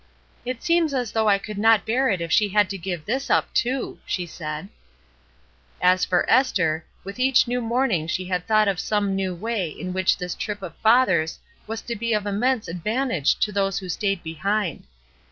''It seems as though I could not bear it if she had to give this up, too," she said. 344 ESTER RIED'S NAMESAKE As for Esther, with each new morning she had thought of some new way in which this trip of father's was to be of immense advantage to those who stayed behind.